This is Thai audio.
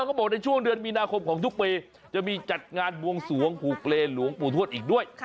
เขาบอกในช่วงเดือนมีนาคมของทุกปีจะมีจัดงานบวงสวงผูกเลนหลวงปู่ทวดอีกด้วย